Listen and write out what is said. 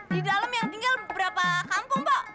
di dalam tinggal berapa kampung po